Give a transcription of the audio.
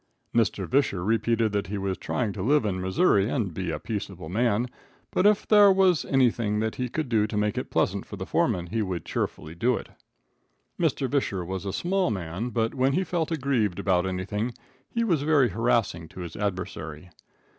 Mr. Visscher repeated that he was trying to live in Missouri and be a peaceable man, but that if there was anything that he could do to make it pleasant for the foreman, he would cheerfully do it. Mr. Visscher was a small man, but when he felt aggrieved about anything he was very harassing to his adversary.